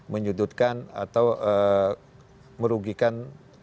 menyedutkan atau merugikan satu